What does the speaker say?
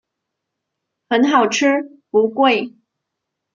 很好吃不贵